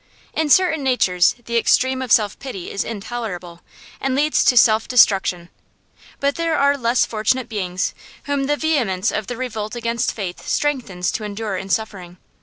In certain natures the extreme of self pity is intolerable, and leads to self destruction; but there are less fortunate beings whom the vehemence of their revolt against fate strengthens to endure in suffering.